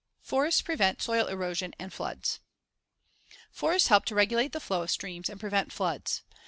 ] Forests prevent soil erosion and floods: Forests help to regulate the flow of streams and prevent floods.